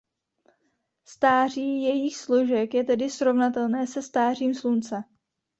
Stáří jejích složek je tedy srovnatelné se stářím Slunce.